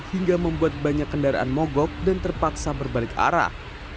hingga membuat banyak kendaraan mogok dan terpaksa berbalik arah